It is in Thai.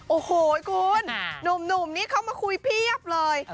โอ้โหคุณหนุ่มนี่เขามาคุยเพียบเลย